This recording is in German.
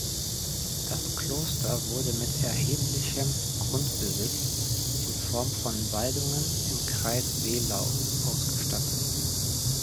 Das Kloster wurde mit erheblichem Grundbesitz in Form von Waldungen im Kreis Wehlau ausgestattet.